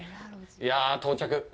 いや、到着。